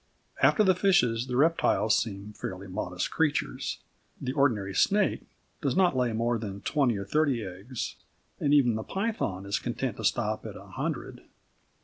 After the fishes, the reptiles seem fairly modest creatures. The ordinary snake does not lay more than twenty or thirty eggs, and even the python is content to stop at a hundred.